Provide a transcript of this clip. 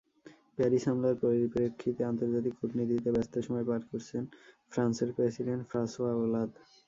Paris হামলার পরিপ্রেক্ষিতে আন্তর্জাতিক কূটনীতিতে ব্যস্ত সময় পার করছেন ফ্রান্সের প্রেসিডেন্ট ফ্রাঁসোয়া ওলাঁদ।